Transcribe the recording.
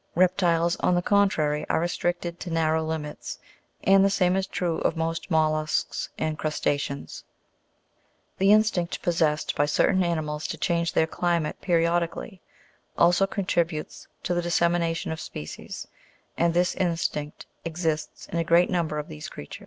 Reptiles, on the contrary, are restricted to narrow limits, and the same is true of most mollusks and crusta'ceans. The instinct possessed by certain animals to change their climate periodically, also contributes to the dissemination of species ; and this instinct exists in a great number of these creatures.